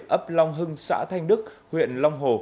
ấp long hưng xã thanh đức huyện long hồ